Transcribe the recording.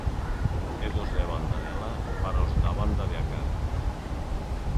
E dos da banda de alá para os da banda de acá.